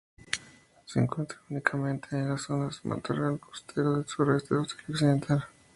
Se encuentra únicamente en las zonas de matorral costero del suroeste de Australia Occidental.